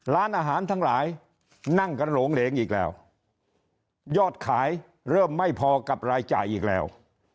ร้านอาหารทั้งหลายนั่งกันหลงเหลงอีกแล้วยอดขายเริ่มไม่พอกับรายจ่ายอีกแล้ว